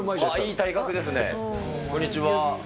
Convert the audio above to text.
こんにちは。